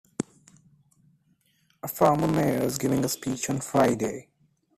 A former mayor is giving a speech on Friday.